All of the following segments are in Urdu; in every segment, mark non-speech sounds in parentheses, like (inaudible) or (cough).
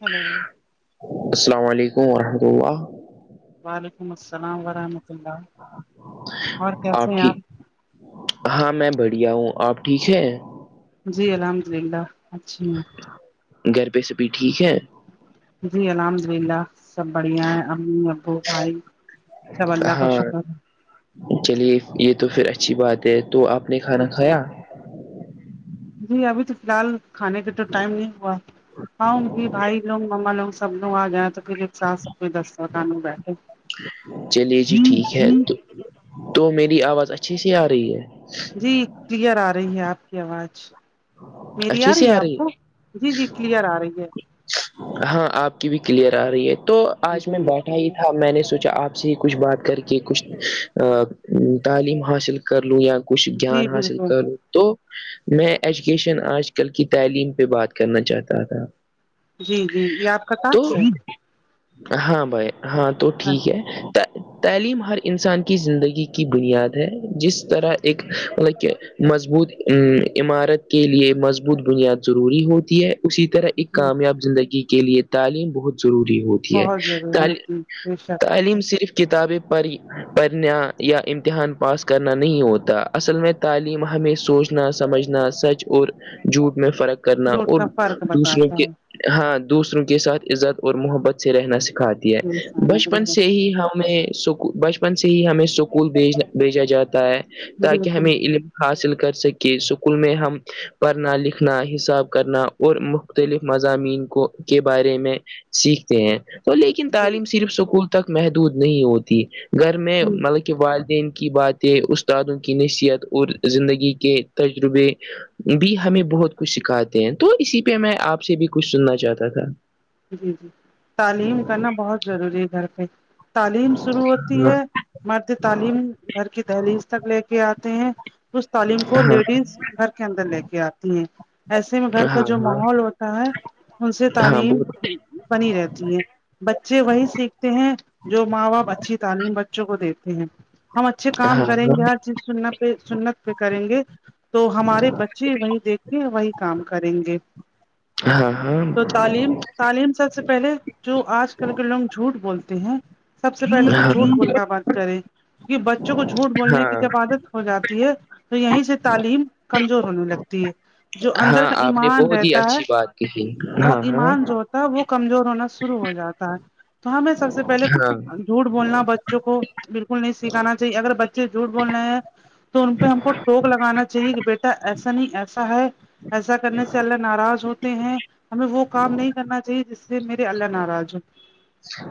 ہیلو السلام علیکم وورحمۃ اللہ وعلیکم السلام ورحمۃ اللہ اور کیسے ہیں آپ ہاں میں بڑھیا ہوں آپ ٹھیک ہیں جی الحمد للہ اچھی ہون گھر پہ سے بھی ٹھیک ہیں جی الحمد للہ سب بڑھیا ہے امی ابو بھائی سب اللہ کا ہاں شکر ہے چلیے یہ تو پھر اچھی بات ہے تو آپ نے ہے کھانا کھایا جی ابھی تو فی الحال کھانے کے تو ٹائم نہیں ہوا ہؤں می بھائی لوگ مما لوگ سب ن آ جائیں تو پھر ایک سات سب کوئی دسو س بیٹ کے چلیے جی ٹھیک ہے تو تو میری آواز اچھی سےی آ رہی ہے جی کلیئر آ رہی ہے آپ کی آواز میری آ رہی ہے آپ کو جی جی کلیئر آ رہی ہے ہاں آپ کی بھی کلیئر آ رہی ہے تو آج میں جی بات تھا میں نے سوچا آپ سے ہی کچھ بات کر کے کچھ تعلیم حاصل کر لوں یا کچھ جان جی حاصل بالکل کر لوں تو میں ایجوکیشن آج کل کی تعلیم پہ بات کرنا چاہتا تھا جی جی یہ آپ کا تو کہ ہاں بھائی ہاں تو ٹھیک ہے اچھا تعلیم ہر انسان کی زندگی کی بنیاد ہے جس طرح ایک مطلب کہ مضبوط ا عمارت کے لیے مضبوط بنیاد ضروری ہوتی ہے اسی طرح ایک جی کامیاب زندگی کے لیے تعلیم بہت ضروری ہوتی ہے بہت ضروری ہوتی ہے، بے شک تعلیم صرف کتابیں پڑ پڑھنا یا امتحان پاس کرنا نہیں ہوتا اصل میں تعلیم ہمیں سوچنا سمجھنا سچ اور جھوٹ میں فرق کرنا روٹ کا اور فرق دوسروں بتاتا کے ہے ہاں دوسروں کے ساتھ عزت اور محبت سے رہنا سکھات ہے یہ سارا بچپن بالکل سے ہی ہمیں سکھ بچپن سے ہی ہمیں اسکول بھیج بھیجا جاتا ہے تاکہ بالکل ہمیں حاصل کر سکے اسکول میں ہم پڑھنا لکھنا حساب کرنا اور مختلف مضامین کو کے بارے میں سیکھتے ہیں تو لیکن جی تعلیم صرف سکول تک محدود نہیں ہوتی گھر میں ہ مطلب کے والدین کی باتیں استادوں کی نصیحت اور زندگی کے تجربے بھی جی ہمیں بہت کچھ سکھاتے ہیں تو اسی پہ میں آپ سے بھی کچھ سننا چاہتا تھا جی جی تعلیم کرنا بہت ضروری ہے گھر پہ تعلیم شروع ہوتی ہاں ہے مرد تعلیم گھر کی دہلیز تک لے کے آتے ہیں اس تعلیم کو ہاں لیڈیز گھر کے اندر لے کے آتی ہیں ایسے میں گھر کا ہاں جو ماحول ہوتا ہے ان سے ہاں ہاں تعلیم بہت بنی رہتی ہے بچے وہی سیکھتے ہیں جو ماں باپ اچھی تعلیم بچوں کو دیتے ہیں ہم اچھے کام ہاں کریں گے ہر چیز سن پہ سننت پہ کریں گے تو ہمارے بچے وہی دیکھ کے وہی کام کریں گے ہاں ہاں تو تعلیم تعلیم سب سے پہلے جو آج کل کے لوگ جھوٹ بولتے ہیں سب سے پہلے تو ہاں ہاں جھوٹ بولنا بند کرے کیہ بچوں کو جھوٹ بولنے کی ہاں جبادت ہو جاتی ہے تو یہیں سے تعلیم کمزور ہونے لگتی ہے جو اندر ہاں کا آپ نے ایمان بہت ہی رہتا ہے اچھی بات کہی بہت ہاں ہاں ایمان جو ہوتا تب وہ کمزور ہونا شروع ہو جاتا ہے تو ہمیں سب سے پہلے ہاں جھوٹ بولنا بچوں کو بالکل نہیں سکھانا چاہیے اگر بچے جھوٹ بول رہے ہیں تو ان پہ ہم کو ٹوک لگانا چاہیے کہ بیٹا ایسا نہیں ایسا ہے ایسا کرنے سے اللہ ناراض ہوتے ہیں ہمیں وہ کام نہیں کرنا جس سے میرے اللہ ناراض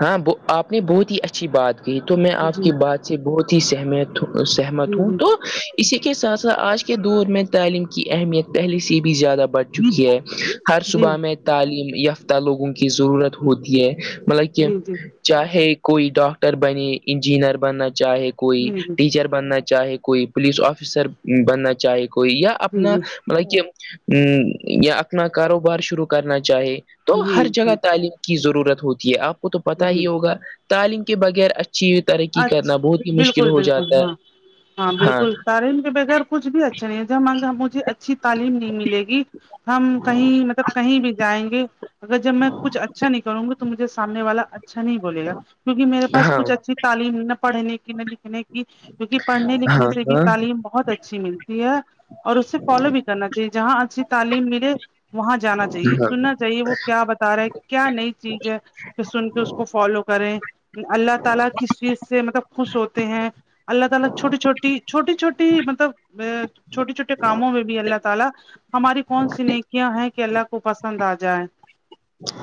ہاں آپ نے بہت ہی اچھی بات کی تو میں آپ جی کی بات سے بہت ہی سہمیت سہمت جی ہوں جی تو اسی کے ساتھ ساتھ آج کے دور میں تعلیم کی اہمیت پہلیے سی بھی زیادہ بڑھتی جی چکی ہے ہر جی صبح میں تعلیم یافتہ لوگوں کی ضرورت ہوتی ہے مطلب جی کہ جی جی چاہے کوئی ڈاکٹر بنے انجینئر بننا چاہے کوئی جی ٹیچر بننا چاہے کوئی پولیس آفیسر بننا چاہے کوئی یا اپنا مطلب کہ یا اپنا کاروبار شروع کرنا چاہے تو ہر جی جگہ جی تعلیم کی ضرورت ہوتی ہے آپ کو تو جی پتا جی ہی ہوگا تعلیم کے بغیر اچھی ترقی کرنا بہت اچھا ہی مشکل بالکل ہو بالکل جاتا ہاں ہے ہاں بالکل تارین کے بغیر کچھ بھی اچھا نہیں جب مانگ مجھے اچھی تعلیم نہیں ملے گی ہم کہیں مطلب کہیں بھی جائیں گے اگر جب میں کچھ اچھا نہیں کروں گی مجھے سامنے والا اچھا نہیں بول گا کیونکہ میرے پاس ہاں کچھ اچھی تعلیم نہ پڑھنے کی نہ لکھنے کی کیونکہ پڑھنے لکھنے ہاں سے بھی تعلیم بہت اچھی ملتی ہے اور اس سے فالو بھی کرنا چاہیے جہاں اچھی تعلیم ملے وہاں جانا چاہیے ہاں سننا چاہیے وہ کیا رہا کیا نئی چیز ہے کہ سن کے اس کو فالو کریں کے کس چیز سے مطلب خوش ہوتے ہیں چھوٹی چھوٹی مطلب چھوٹے چھوے کاموں میں بھی اللہ تعالی ہماری کون س نیکیاں ہیں کہ اللہ کو پسند آ جائے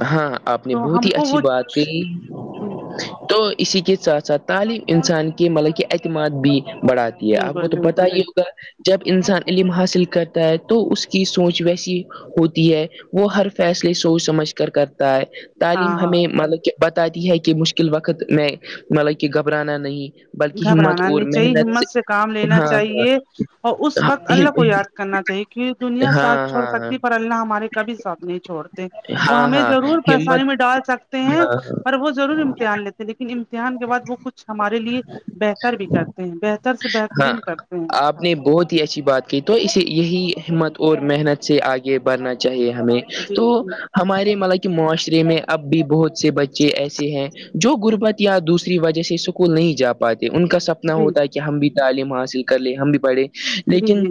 ہاں آپ نے تو بہت ہم ہی کو اچھی وہ بات کہ جی تو اسی کے ساتھ سھ تعلیم انسان کے مطلب کہ اعتماد بھی بڑھاتی ہے آپ کو بالکل تو پت بالکل ہی بالکل ہوگا جب انسان علم حاصل کرتا ہے تو اس کی سوچ ویسی ہوتی ہے وہ ہر فیصلے سوچ سمجھ کر کرتا ہے ہاں تعلیم ہاں ہمیں مطلب بتاتی ہے کہ مشکل وقت میں مطلب کہ گھبرانا نہیں بلکہ ہمت گھبرانا اور نہیں چاہیے محنت ہمت سے کام لینا ہاں چاہیے اور اس وقت ہاں اللہ کو یاد کرنا چاہیے کہ کی دنیا ہاں سات ہاں چھوڑ سکتی ہاں ہاں ہے پر اللہ ہمارے کبھی ساتھ نہیں چوڑ وہ ہاں ہمیں ہاں ضرور پریشانی ہمت میں ڈال سکتے ہیں ہاں پر وہ ضرور امتحان لیتے لیکن امتحان کے بع وہ کچھ ہمارے لیے بہتر بھی کرتے ہیں بہتر سے ہاں بہترین کرتے ہیں آپ نے بہت ہی اچھی بات کی تو اسے یہی ہمت اور محنت سے آگے بڑھنا چاہیے ہمیں جی تو جی ہمارے مطلب کہ معاشرے میں اب بھی بہت سے بچے ایسے ہیں جو غربت یا دوسری وجہ سے سکول نہیں جا پاتے ان کا سب اتنا جی ہوتا ہے کہ ہم بھی تعلیم حاصل کر لیں ہم بھی پڑھے جی لیکن جی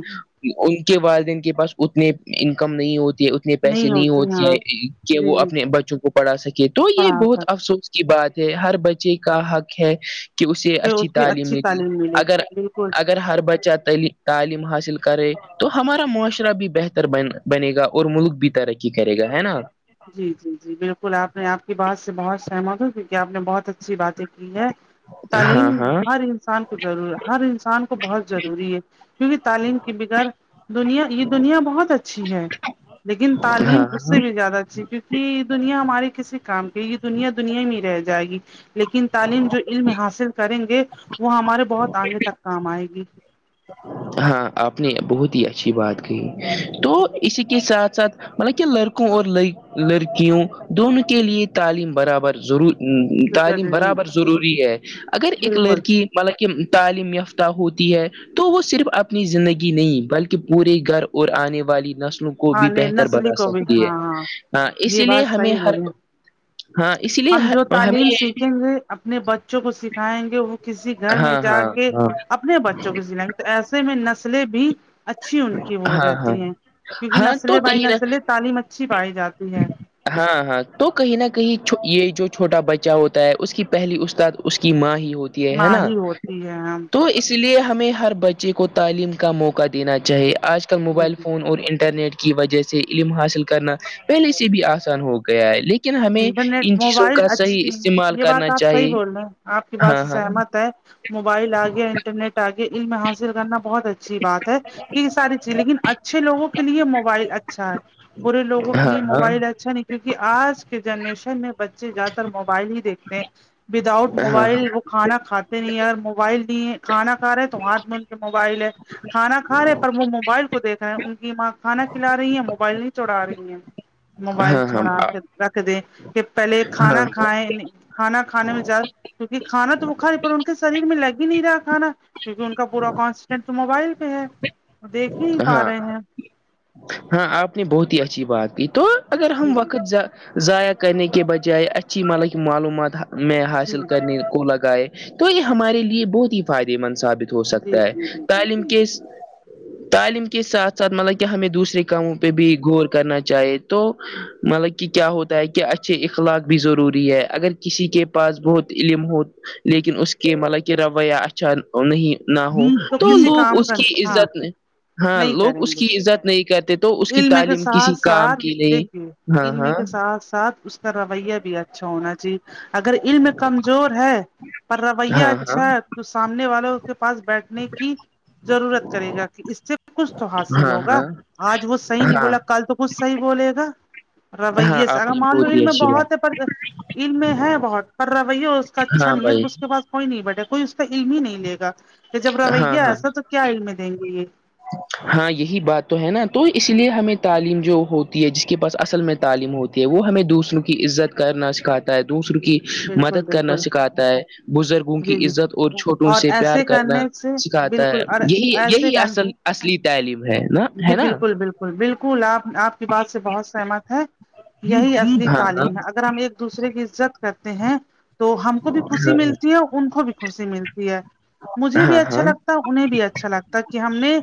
ان کے والدین کے پاس اتنے انکم نہیں ہوتے اتنے پیسے نہیں ہوتی ہیں کہ جی وہ جی اپنے بچوں کو پڑھا سکے تو یہ پڑھا بہت سکتے افسوس کی بات ہے ہر بچے کا حق ہے کہ اسے اچھی اس کو تعلیم ملی ملے اگر بالکل اگر ہر بچہ تلی تعلیم حاصل کرے تو ہمارا معاشرہ بھی بہتر ب بنے گا اور ملک بھی ترقی کرے گا ہے نا جی جی جی بالکل آپ نے آپ کی بات سے بہت سہمت ہو کیوں کہ آپ نے بہت اچھی بات کی ہے ہاں تعلیم ہاں ہر انسان کو ضروری ہے ہر انسان کو بہت ضروری ہے کیونکہ تعلیم کے بغیر دنیا یہ دنیا بہت اچھی ہے لیکن تعلیم ہاں اس سے ہاں بھی زیادہ جی کیونک دنیا ہمارے کسے کام کی یہ دنیا دنیا ہی میں رہ جائے گی لیکن تعلیم جو علم حاصل کریں گے وہ ہمارے بہت آگے تک کام آئے گی ہاں آپ نے بہت ہی اچھی بات کہی تو اسی کے ساتھ ساتھ ملکہ لڑکوں اور لڑکیوں دونوں کے لیے تعلیم برابر ضرور تعلیم برابر ضروری ہے اگر ایک بالکل لڑکی مطلب کہ تعلیم یافتہ ہوتی ہے تو اس صرف اپنی زندگی نہیں بلکہ پورے گھر اور آنے والی نسلوں کو کو ہاں بھی نہیں بہتر نسلی بنا کو بھی سکتی ہاں ہاں ہے ہ اس یہ لیے بات ہمیں صحیح ہر بولے ہاں اس لیے ہم جو ہمیں تعلیم سیکھیں گے اپنے بچوں کو سکھائیں گے وہ کسی گھر میں ہاں جا ہاں کے ہاں اپنے بچوں کو سکھائیں گے تو ایسے میں نسلیں بھی اچھی ان کی وہ ہاں ہاں رہتی ہیں کیونکہ ہاں نسل تو بائی کہیں نہ نسلیں تعلیم اچھی پائی جاتی ہے ہاں ہاں تو کہیں نہ کہیں یہ جو چھوٹا بچہ ہوتا ہے اس کی پہلی استاد اس کی ماں ہی ہوتی ہے ہے نا ماہی ہوتی ہے تو اس اس لیے ہمیں ہر بچے کو تعلیم کا موقع دینا چاہیے آج کل موبائل فون اور انٹرنیٹ کی وجہ سے علم حاصل کرنا پہلے سے بھی آسان ہو گیا ہے لیکن ہمیں انٹرنیٹ ان چیزوں موبائل کا صحیح اچھا استعمال یہ بات کرنا آپ صحیح چاہیے بول رہے ہیں آپ کی بات ہاں سے ہاں سہمت ہے موبائل آگیا انٹرنیٹ آگے علم حاصل کرنا بہت اچھی بات ہے یہ ساری چیز لیکن اچھے لوگوں کے لیے موبائل اچھا ہے برے لوگوں کے ہاں لیے ہاں موبائل اچھا نہیں کیونکہ آج کے جنریشن میں بچے زیادہ تر موبائل ہی دیکھتے ہیں وداؤٹ ہاں موبائل وہ کھانا کھاتے نہیں ہیں اگر موبائل نہیں کھانا کھا رہے تو ہاتھ میں ان کے موبائل ہے کھانا کھا رہے پر وہ موبائل کو دیکھ رہے ہیں ان کی ماں کھانا کھلا رہی ہے موبائل نہیں چڑھا رہی ہیں موبائل ہاں چ ہاں ہوناا رکھ د کہ پہلے کھانا ہاں کھائےیں کھانا کھانے میں جا کیونکہ کھانا تو وہ کا رہی پر ان کے شریر میں لگ ہی نہیں رہا کھانا کیونکہ ان کا پورا کانسٹینٹ تو موبائل پہ ہے دیکھ ہی نہیں پا ہاں رہے ہیں ہاں آپ نے بہت ہی اچھی بات کی تو اگر جی ہم وقت ضائع کرنے کے بجائے اچھی ملک معلومات میں جی حاصل کرنے کو لگائے تو یہ ہمارے لیے بہت ہی فائدے مند ثابت ہو جی سکتا جی ہے جی جی تعلیم کے جی تعلیم کے ساتھ ساتھ مطلب کہ ہمیں دوسرے کاموں پہ بھی غور کرنا چاہیے تو مطلب کہ کیا ہوتا ہے کہ اچھے اخلاق بھی ضروری ہے اگر کسی کے پاس بہت علم ہو لیکن اس کے مطلب کہ رویہ اچھا اچھا نہیں نہ ہو جی تو کسی لوگ کام اس کا کی ہاں عزت ہاں نہیں لوگ کریں اس گے کی عزت نہیں کرتے تو اس کی علم کے تعلیم کسی ساتھ کام ساتھ کی دیکھے نہیں ہاں علم ہاں کے ساتھ ساتھ اس کا رویا بھی اچھا ہونا جی اگر علم کمزور ہے پر رویہ ہاں اچھا ہاں تو سامنے والوں کے پاس بیٹھنے کی ضرورت کرے گا کہ اس سے سب کچھ تو حاصل ہاں ہوگا ہاں آج وہ صحیح نہیں ہاں بولا کل تو کچھ صحیح بولے گا ہاں رویے سے آپ اگر نے معلوم بہت ان ہی میں اچھی بہت ہے بات پر علم میں ہے بہت پر روی اس کا اچھا ہاں نہیں بھائی ہے اس کے پاس کوئی نہیں بیٹا کوئی اس کا علم ہی نہیں لے گا کہ جب ہاں رویہ ہاں ایسا تو کیا علم دیں گے یہ ہاں یہی بات تو ہے نا تو اس لیے ہمیں تعلیم جو ہو ہے جس کے پاس اصل میں تعلیم ہوتی ہے وہ ہمیں دوسروں کی عزت کرنا سکھاتا ہے دوسروں کی بالکل مدد کرنا بالکل سکھاتا ہے بزرگوں جی کی جی عزت اور چھوٹوں سے پیار ایسے کرنا کرنے سے سکھاتا ہے بالکل اور یہی ایسے یہی کر اصل اصلی تعلیم ہے نا جی ہے نا بالکل بالکل بالکل آپ آپ کی بات سے بہت سہمت ہے یہی عگلی ہاں ہاں تعلیم ہے اگر ہم ایک دوسرے کی عزت کرتے ہیں تو ہم کو بھی خوشی ملتی ہے اور ان کو بھی خوشی ملتی ہے مجھے بھی ہاں ہاں اچھا ہاں لگتا انہیں بھی اچھا لگتا کہ ہم نے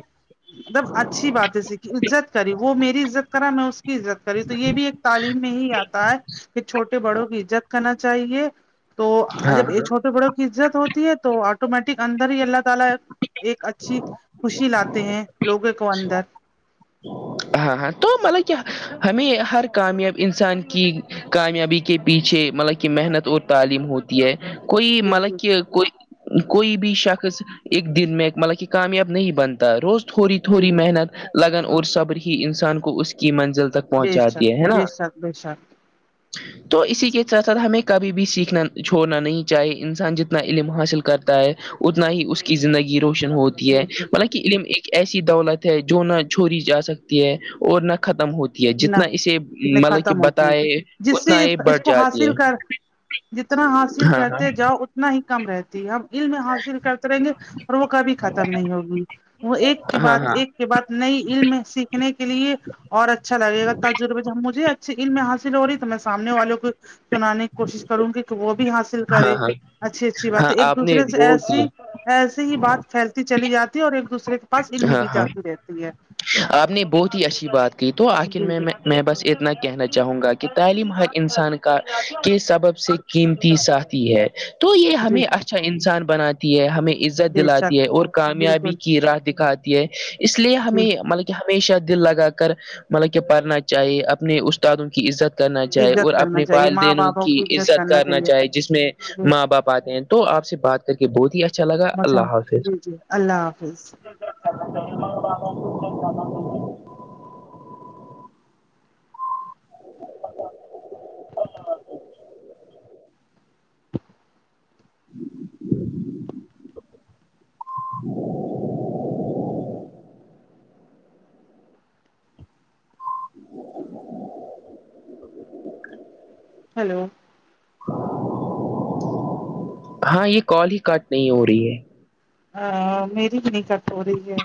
مطلب اچھی باتیں سیکھی عزت کری وہ میری عزت کرا میں اس کی عزت کری تو یہ بھی ایک تعلیم میں ہی آتا ہے کہ چھوٹے بڑوں کی عزت کرنا چاہیے تو ہاں جب یہ چھوٹے بڑوں عزت ہوتی ہے تو آٹومیٹک اندر ہی اللہ تعالی ایک اچھی خوشی لاتے ہیں لوگوں کو اندر ہاں ہاں تو مطلب کہ ہمیں ہر کامیاب انسان کی کامیابی کے پیچھے مطلب کہ محنت اور تعلیم ہوتی ہے کوئی بالکل مطلب کہ کوئی کوئی بھی شخص ایک دن میں مطلب کہ کامیاب نہیں بنتا روز تھوڑی جی تھوڑی جی محنت لگن اور ہاں، صبر ہی انسان کو اس کی منزل تک بے شک پہنچاتی ہے ہے نا بے شک بے شک (inaudible) تو اسی کے ساتھ ساتھ ہمیں کبھی بھی سیکھنا چھوڑنا نہیں چاہیے انسان جتنا علم حاصل کرتا ہے اتنا ہی اس کی زندگی روشن ہوتی ہے بالکل بالانک علم ایک ایسی دولت ہے جو نہ چھوڑی جا سکتی ہے اور نہ ختم ہوتی جتنا نہ اسے مطلب کہ ختم ہوتی ہے بتائے جس سے اتنا یہ اس بڑھ کو جاتی ہے حاصل کر جتنا حاصل ہاں کرتے جاؤ اتنا ہی کم رہتا ہم علم حاصل کرتے رہیں گے اور وہ کبھی ختم نہیں ہوگی وہ ایک کے ہاں ہاں بات ہاں ایک کے بعات نئی علم سیکھنے کے لیے اور اچھا گا تجربے جبجھے اچھیلم میں حاصل ہو رہی تو میں سامنے والوں کو سنانے کی کوشش کروں گی کہ وہ بھی حاصل ہاں کرے ہاں اچھی اچھی بات ہاں ایک آپ نے دوسرے سے بہت ایسی ہی ایسے ہی بات پھیلتی چلی جاتی ہے اور ایک دوسرے کے پاس علم ہاں بھی ہاں جاتی رہتی ہے آپ نے بہت ہی اچھی بات کی تو آخر جی میں جی میں بس اتنا کہنا چاہوں گا کہ تعلیم ہر انسان کا کے سبب سے قیمتی ساہتی ہے تو یہ جی ہمیں اچھا انسان بناتی ہے ہمیں عزت بے دلاتی ہے شک اور کامیابی بالکل کی راہ آتی ہے اس لیے جی ہمیں مطلب کہ ہمیشہ دل لگا کر مطلب کہ پڑھنا چاہیے اپنے استادوں کی عزت کرنا چاہے اور عزت کرنا اپنے چاہیے ماں والدینوں باپوں کی عزت کرنا چاہیے چاہے جس میں ماں باپ ہیں تو آپ سے بات کر کے بہت ہی اچھا لگا مجم اللہ حافظ جی جی اللہ حافظ چاہب جاناے (inaudible) ج (inaudible) ہیلو ہاں یہ کال ہی کاٹ نہیں ہو رہی ہے میری بھی نہیں کٹ ہو رہی ہے